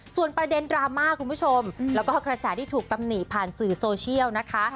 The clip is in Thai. ส่วนประเด็นดราม่าคุณผู้ชมแล้วก็กระแสที่ถูกตำหนิผ่านสื่อโซเชียลนะคะ